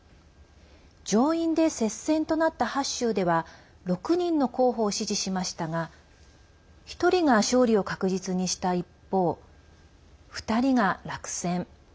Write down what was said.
上院で接戦となった８州では６人の候補を支持しましたが１人が勝利を確実にした一方２人が落選。